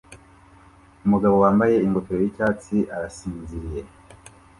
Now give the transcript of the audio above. Umugabo wambaye ingofero yicyatsi arasinziriye